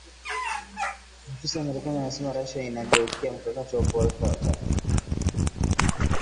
Maafisa wa marekani wanasema Russia inageukia mkakati wa kuweka taka